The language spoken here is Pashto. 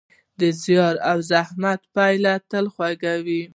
د زیار او زحمت پایله تل خوږه وي.